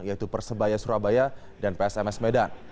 yaitu persebaya surabaya dan psms medan